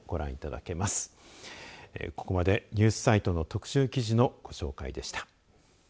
ここまでニュースサイトの特集記事の紹介でした。